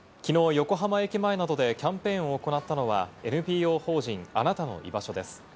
横浜駅前などでキャンペーンを行ったのは、ＮＰＯ法人「あなたのいばしょ」です。